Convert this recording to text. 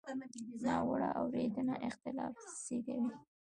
ناوړه اورېدنه اختلاف زېږوي.